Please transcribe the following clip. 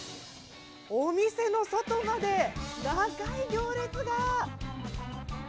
お店の外まで長い行列が。